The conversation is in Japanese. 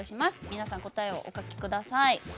皆さん、答えをお書きください。